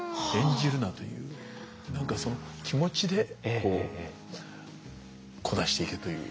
何かその気持ちでこうこなしていけという。